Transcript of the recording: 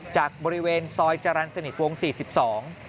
จากบริเวณซอยจรันสนิทวง๔๒